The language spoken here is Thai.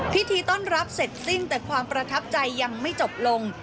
พิธีต้อนรับเสร็จสิ้นแต่ความประทับใจยังไม่จบลง